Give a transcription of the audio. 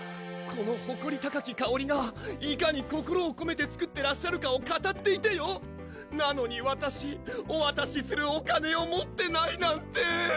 このほこり高きかおりがいかに心をこめて作ってらっしゃるかを語っていてよなのにわたしおわたしするお金を持ってないなんて！